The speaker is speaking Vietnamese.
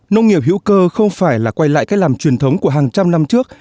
nông nghiệp hữu cơ không phải là quay lại cách làm truyền thống của hàng trăm năm trước